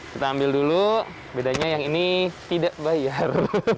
kita ambil dulu bedanya yang ini tidak bayar